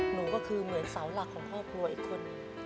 หนูก็คือเหมือนเสาหลักของครอบครัวอีกคนนึง